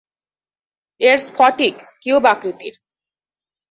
এর স্ফটিক কিউব আকৃতির।